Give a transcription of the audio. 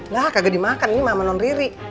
lah kagak dimakan ini mama non riri